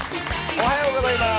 おはようございます。